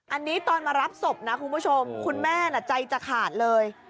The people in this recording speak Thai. อันนี้ตอนมารับศพนะคุณผู้ชมคุณแม่ใจจะขาดเลย